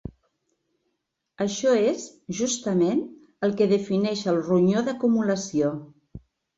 Això és, justament, el que defineix el ronyó d'acumulació.